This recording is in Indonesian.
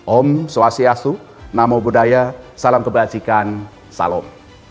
om swastiastu namo buddhaya salam kebajikan salam